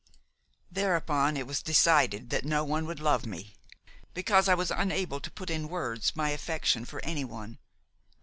"Thereupon it was decided that no one would love me, because I was unable to put in words my affection for anyone.